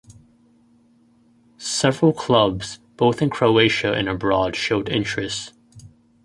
Several clubs, both in Croatia and abroad showed interest.